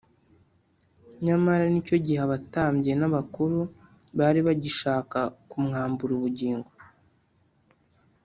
nyamara n’icyo gihe abatambyi n’abakuru bari bagishaka kumwambura ubugingo